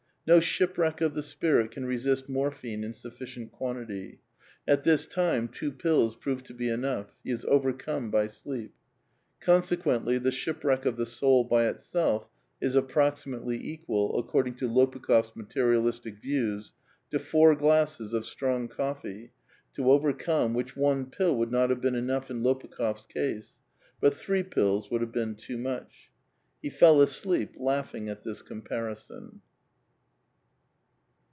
No shipwreck of the spirit can resist morphine in sufficient quantity ; at this time, two pills proved to be enough ; he is overcome by sleep. Consequently, the ship wreck of the soul by itself is approximately equal, according to Lopukh6f's materialistic views, to four glasses of strong coffee, to overcome, which one pill would not have been enough in Lupukh6f's case ; but three pills would have been too much. He fell asleep laughing at this comparison.